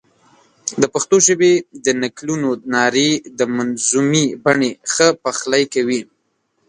د پښتو ژبې د نکلونو نارې د منظومې بڼې ښه پخلی کوي.